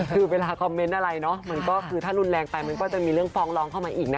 คือเวลาคอมเมนต์อะไรเนาะมันก็คือถ้ารุนแรงไปมันก็จะมีเรื่องฟ้องร้องเข้ามาอีกนะคะ